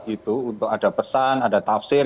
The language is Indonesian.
itu untuk ada pesan ada tafsir